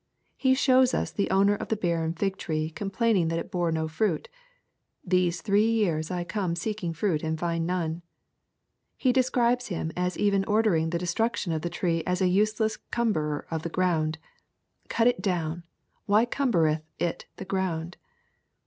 He shows us the owner of the barren fig tree complaining that it bore no fruit :^' These three years I come seeking fruit and find none." — He describes him as even ordering the destruction of the tree as a useless cumberer of the ground : "Cut it down ; why cumberethit the ground